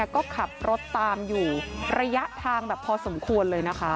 ก็ขับรถตามอยู่ระยะทางแบบพอสมควรเลยนะคะ